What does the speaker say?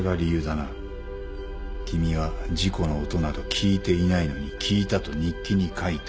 君は事故の音など聞いていないのに聞いたと日記に書いた。